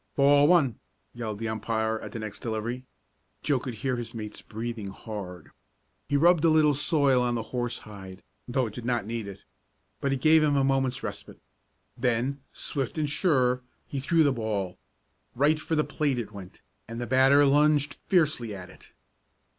"Ball one!" yelled the umpire, at the next delivery. Joe could hear his mates breathing hard. He rubbed a little soil on the horsehide, though it did not need it, but it gave him a moment's respite. Then, swift and sure, he threw the bail. Right for the plate it went, and the batter lunged fiercely at it.